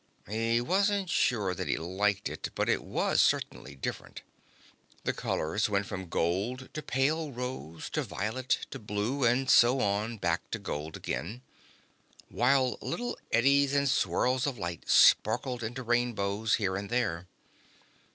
He wasn't sure that he liked it, but it was certainly different. The colors went from gold to pale rose to violet to blue, and so on, back to gold again, while little eddies and swirls of light sparkled into rainbows here and there.